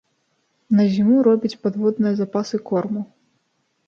На зіму робіць падводныя запасы корму.